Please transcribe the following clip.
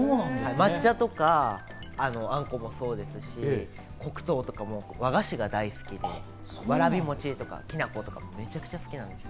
抹茶とか、あんこもそうですし、黒糖とかも、和菓子が大好きで、わらび餅とか、きなことか、めちゃくちゃ好きです。